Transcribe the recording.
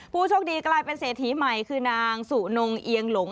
ผู้โชคดีกลายเป็นเศรษฐีใหม่คือนางสุนงเอียงหลง